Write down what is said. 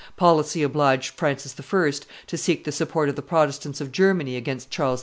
Policy obliged Francis I. to seek the support of the Protestants of Germany against Charles V.